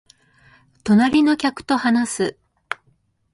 隣の客と話す